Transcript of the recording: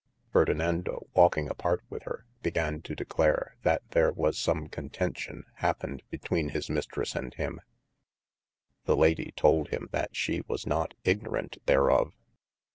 Ferdinando walking apart with hir, began to declare that there was some contention hapened betweene his mistres and him : the Lady tolde him that she was not ignoraunt thereof.